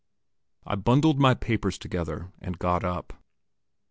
I bundled my papers together and got up.